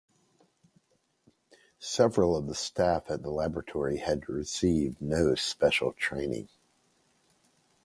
Several of the staff at the laboratory had received no special training.